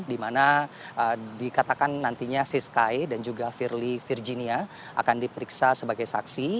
di mana dikatakan nantinya siskay dan juga firly virginia akan diperiksa sebagai saksi